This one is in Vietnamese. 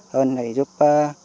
hơn để giúp